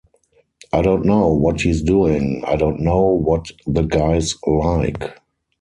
I don't know what he's doing, I don't know what the guy's like.